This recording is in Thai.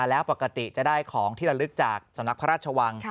และก็ไปส่องดูแล้ว